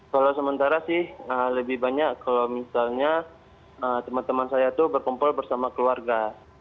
kalau sementara sih lebih banyak kalau misalnya teman teman saya itu berkumpul bersama keluarga